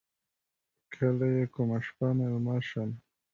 کله یې کومه شپه میلمه شم.